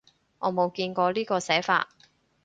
我冇見過呢個寫法